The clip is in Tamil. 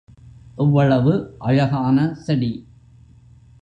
எவ்வளவு அழகான செடி!